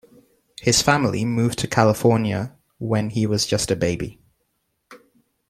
His family moved to California when he was just a baby.